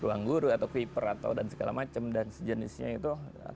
ruang guru atau keeper atau dan segala macam dan sejenisnya itu